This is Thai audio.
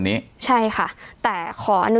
ไม่ใช่แค่โดน